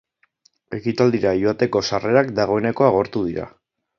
Ekitaldira joateko sarrerak dagoeneko agortu dira.